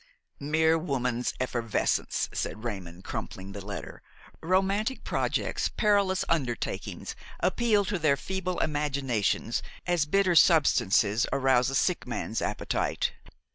"Mere woman's effervescence!" said Raymon, crumpling the letter. "Romantic projects, perilous undertakings, appeal to their feeble imaginations as bitter substances arouse a sick man's appetite.